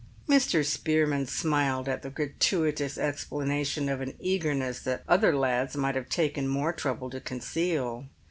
Mr. Spearman smiled at the gratuitous explanation of an eagerness that other lads might have taken more trouble to conceal.